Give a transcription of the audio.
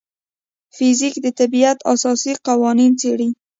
فزیک د طبیعت اساسي قوانین څېړي.